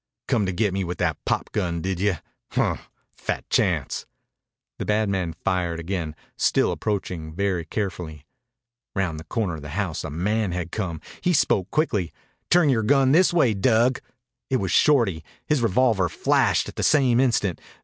"Come to git me with that popgun, did you? Hmp! Fat chance." The bad man fired again, still approaching very carefully. Round the corner of the house a man had come. He spoke quickly. "Turn yore gun this way, Dug." It was Shorty. His revolver flashed at the same instant.